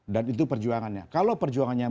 dan itu perjuangannya kalau perjuangannya